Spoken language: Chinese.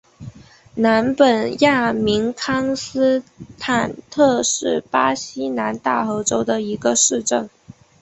南本雅明康斯坦特是巴西南大河州的一个市镇。